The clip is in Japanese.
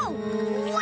うわ！